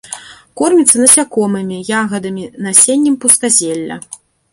Корміцца насякомымі, ягадамі, насеннем пустазелля.